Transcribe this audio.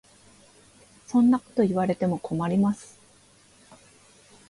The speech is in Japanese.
そんなこと言われても困ります。